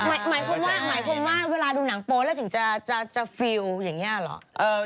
หมายความว่าเวลาดูหนังโป้แล้วถึงจะฟิลอย่างนี้หรอ